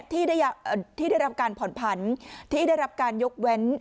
ที่ได้รับการผ่อนผันที่ได้รับการยกเว้น